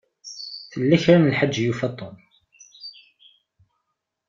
Tella kra n lḥaǧa i yufa Tom.